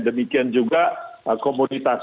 demikian juga komoditas